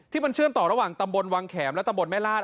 ที่มันเชื่อมต่อระหว่างตำบลวังแขมและตำบลแม่ลาด